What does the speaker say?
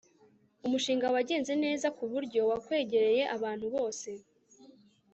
Umushinga wagenze neza kuburyo wakwegereye abantu bose